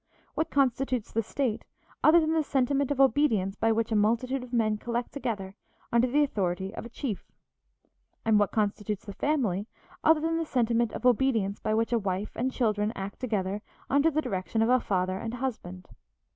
What constitutes the State other than the sentiment of obedience by which a multitude of men collect together under the authority of a chief? And what constitutes the Family other than the sentiment of obedience by which a wife and children act together under the direction of a father and husband?